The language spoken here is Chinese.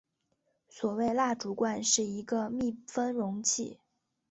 所谓蜡烛罐是一个密封容器。